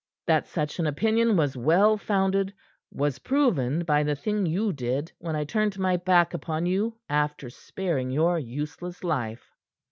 That such an opinion was well founded was proven by the thing you did when I turned my back upon you after sparing your useless life."